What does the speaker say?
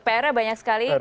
pr nya banyak sekali